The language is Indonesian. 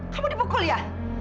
kamu dibukul ya